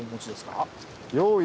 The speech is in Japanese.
用意